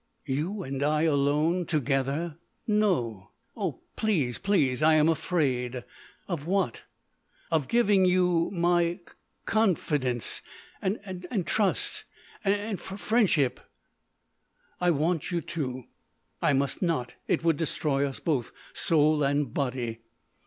"You and I alone together—no! oh, please—please! I am afraid!" "Of what?" "Of—giving you—my c confidence—and trust—and—and f friendship." "I want you to." "I must not! It would destroy us both, soul and body!"